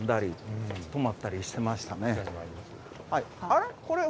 あれ？